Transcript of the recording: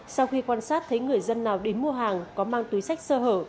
sau khi quan sát thấy người dân nào đến mua hàng có mang túi sách sơ hở